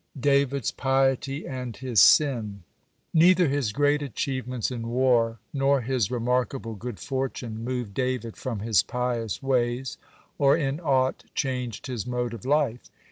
(77) DAVID'S PIETY AND HIS SIN Neither his great achievements in war nor his remarkable good fortune moved David from his pious ways, or in aught changed his mode of life.